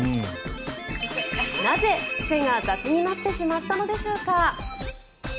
なぜ、伏せが雑になってしまったのでしょうか。